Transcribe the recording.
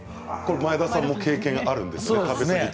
前田さんも経験あるんですよね？